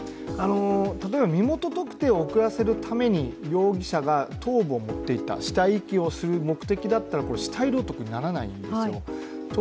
例えば身元特定を遅らせるために容疑者が頭部を持っていった死体遺棄をする目的だったら死体領得にならないんですよ。